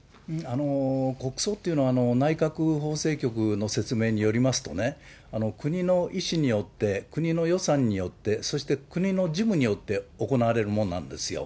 国葬っていうのは、内閣法制局の説明によりますとね、国の意思によって、国の予算によって、そして国の事務によって行われるものなんですよ。